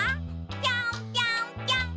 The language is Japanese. ぴょんぴょんぴょん！